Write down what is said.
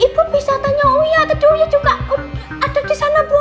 ibu bisa tanya uya tadi uya juga ada di sana bu